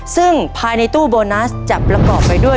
ซึ่งภายในตู้โบนัสจะประกอบไปด้วย